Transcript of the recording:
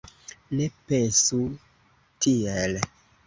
Ne pensu tiel